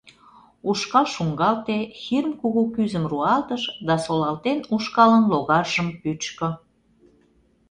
Ушкал шуҥгалте, Хирм кугу кӱзым руалтыш да солалтен ушкалын логаржым пӱчкӧ.